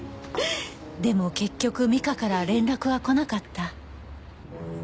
でも結局美香から連絡は来なかった